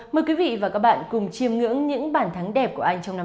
mời quý vị và các bạn cùng chiêm ngưỡng những bản thắng đẹp của anh trong năm hai nghìn hai mươi